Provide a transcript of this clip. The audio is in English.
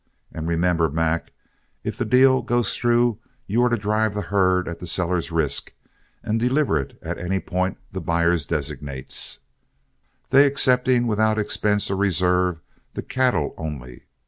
And remember, Mac, if the deal goes through, you are to drive the herd at the seller's risk, and deliver it at any point the buyer designates, they accepting without expense or reserve the cattle only.